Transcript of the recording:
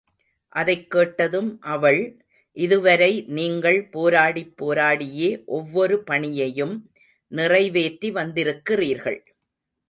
அதைக் கேட்டதும் அவள், இதுவரை நீங்கள் போராடிப் போராடியே ஒவ்வொரு பணியையும் நிறைவேற்றி வந்திருக்கிறீர்கள்.